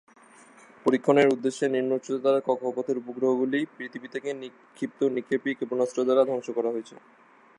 পরীক্ষণের উদ্দেশ্যে নিম্ন উচ্চতার কক্ষপথের উপগ্রহগুলি পৃথিবী থেকে নিক্ষিপ্ত নিক্ষেপী ক্ষেপণাস্ত্র দ্বারা ধ্বংস করা হয়েছে।